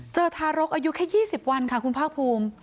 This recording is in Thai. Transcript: เจอทารกอายุแค่๒๐วันค่ะคุณไพร์คภูมิ